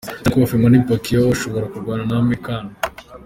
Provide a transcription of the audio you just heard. Iteramakofe: Manny Pacquiao ashobora kurwana na Amir Khan.